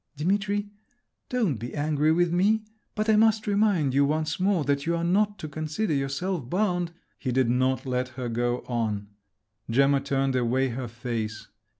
"Dimitri, don't be angry with me; but I must remind you once more that you are not to consider yourself bound …" He did not let her go on…. Gemma turned away her face.